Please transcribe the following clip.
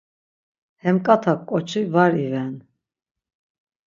Hemǩata ǩoçi var iven.